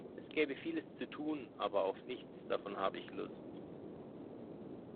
Es gäbe vieles zu tun, aber auf nichts davon habe ich Lust.